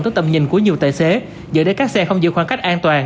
tới tầm nhìn của nhiều tài xế dựa để các xe không giữ khoảng cách an toàn